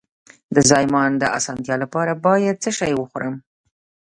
د زایمان د اسانتیا لپاره باید څه شی وخورم؟